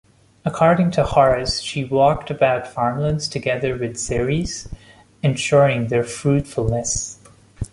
According to Horace, she walked about farmlands together with Ceres, ensuring their fruitfulness.